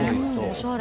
おしゃれ。